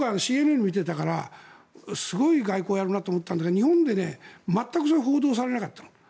僕、ＣＮＮを見ていたからすごい外交をやるなと思ったんだけど日本で全くそれは報道されなかったの。